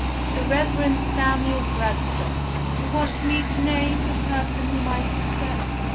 "The Reverend Samuel Bradstock." "You want me to name the person whom I suspect?"